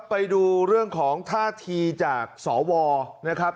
ไปดูเรื่องของท่าทีจากสวนะครับ